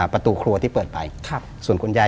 ประตูครัวที่เปิดไปส่วนคุณยาย